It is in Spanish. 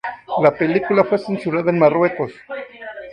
La película fue censurada en Marruecos.